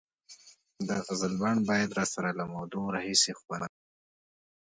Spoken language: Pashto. د غزلبڼ بیت راسره له مودو راهیسې خوندي دی.